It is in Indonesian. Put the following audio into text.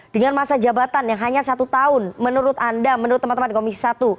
dengan masa jabatan yang hanya satu tahun menurut anda menurut teman teman di komisi satu